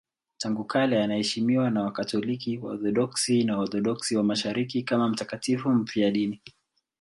Tangu kale anaheshimiwa na Wakatoliki, Waorthodoksi na Waorthodoksi wa Mashariki kama mtakatifu mfiadini.